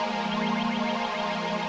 sampai jumpa di video selanjutnya